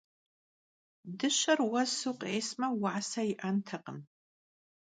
Dışer vuesu khêsme, vuase yi'entekhım.